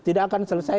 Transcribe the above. tidak akan selesai